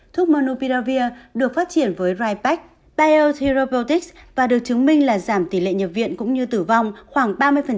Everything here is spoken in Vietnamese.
thuốc monopiravir được phát triển với ripex biotherapeutics và được chứng minh là giảm tỷ lệ nhập viện cũng như tử vong khoảng ba mươi